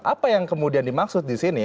apa yang kemudian dimaksud di sini